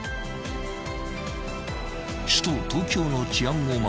［首都東京の治安を守る